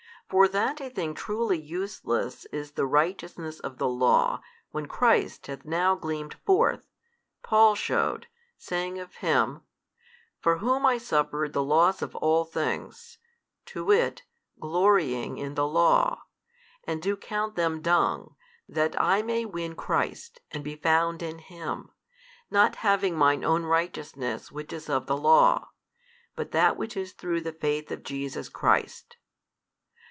For that a thing truly useless is the righteousness of the Law when Christ hath now gleamed forth, Paul shewed, saying of Him, for whom I suffered the loss of all things, to wit, glorying in the Law, and do count them dung, that I may win Christ and be found in Him, not having mine own righteousness which is of the Law, but that which is through the faith of Jesus Christ.